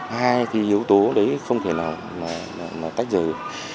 hai cái yếu tố đấy không thể nào mà tách rời